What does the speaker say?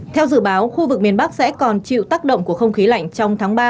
theo dự báo khu vực miền bắc sẽ còn chịu tác động của không khí lạnh trong tháng ba